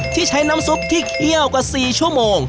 ที่ใช้น้ำซุปที่เคี่ยวกว่า๔ชั่วโมง